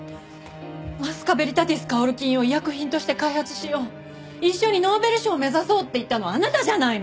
アスカベリタティスカオル菌を医薬品として開発しよう一緒にノーベル賞を目指そうって言ったのはあなたじゃないの！